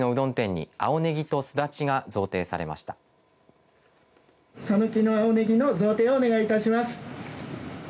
讃岐の青ねぎの贈呈をお願いいたします。